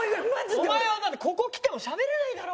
お前はだってここ来てもしゃべれないだろ。